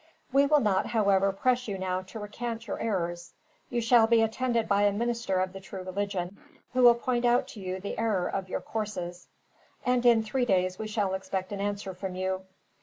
We will not, however, press you now to recant your errors. You shall be attended by a minister of the true religion, who will point out to you the error of your courses; and in three days we shall expect an answer from you.